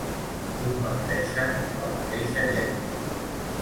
Comparteixen la mateixa lletra.